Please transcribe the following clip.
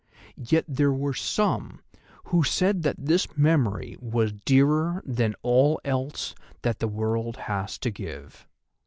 Yet there were some who said that this memory was dearer than all else that the world has to give.